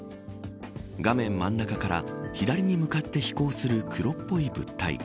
画面真ん中から左に向かって飛行する黒っぽい物体。